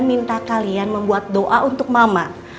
minta kalian membuat doa untuk mama